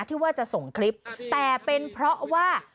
ที่ว่าจะส่งคลิปแต่เป็นเพราะว่า